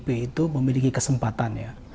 pp itu memiliki kesempatan ya